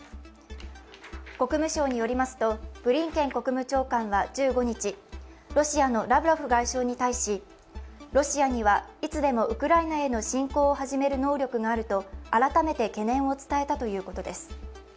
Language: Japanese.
国務省によりますと、ブリンケン国務長官は１５日、ロシアのラブロフ外相に対し、ロシアにはいつでもウクライナへの侵攻を始める能力があると改めて懸念を伝えたということです。